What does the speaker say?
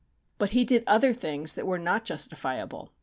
But he did other things that were not justifiable.